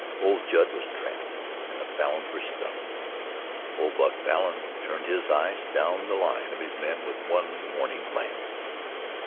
Old Judd was trapped and the Falins were stunned. Old Buck Falin turned his eyes down the line of his men with one warning glance.